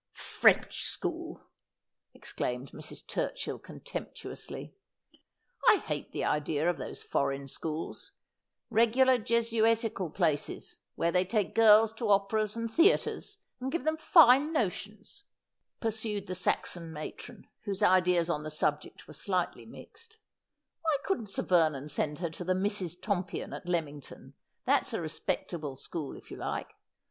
'French school!' exclaimed Mrs. Turchill contemptuously. ' I hate the idea of those foreign schools, regular Jesuitical places, where they take girls to operas and theatres and give them fine notions,' pursued the Saxon matron, whose ideas on the subject Avere slightly mixed. ' Why couldn't Sir Vernon send her to the Misses Tompion, at Leamington ? That's a respectable school if you like.